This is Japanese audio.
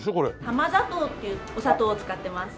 玉砂糖っていうお砂糖を使ってます。